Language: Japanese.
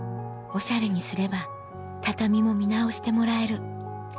「オシャレにすれば畳も見直してもらえる」